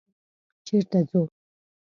_چېرته ځو؟